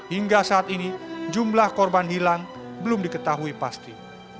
hingga saat ini jumlah korban hilang belum diketahui pasti